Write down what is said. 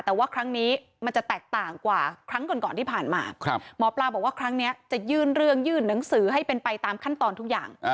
แต่ว่าครั้งนี้มันจะแตกต่างกว่าครั้งก่อนที่ผ่านมาหมอปลาบอกว่าครั้งนี้จะยื่นเรื่องยื่นหนังสือให้เป็นไปตามขั้นตอนทุกอย่าง